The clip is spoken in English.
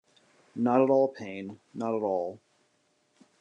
Not at all, Payne, not at all.